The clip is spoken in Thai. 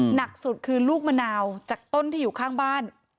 หนักสุดคือลูกมะนาวจากต้นที่อยู่ข้างบ้าน